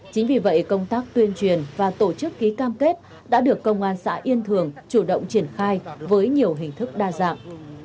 chính vì vậy công tác tuyên truyền và tổ chức ký cam kết đã được công an xã yên thường chủ động triển khai với nhiều hình thức đa dạng